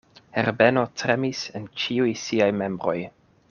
Herbeno tremis en ĉiuj siaj membroj.